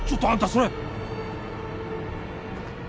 それ。